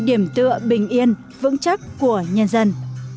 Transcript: điểm tựa bình yên vững chắc của nhân dân